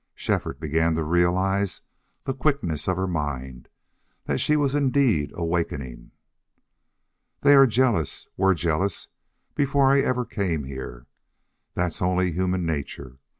Shefford began to realize the quickness of her mind, that she was indeed awakening. "They are jealous were jealous before I ever came here. That's only human nature.